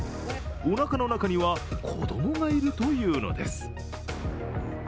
おなかの中には子供がいるというのです。